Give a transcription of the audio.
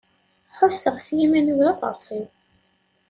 Ḥusseɣ s yiman-iw d aɣersiw.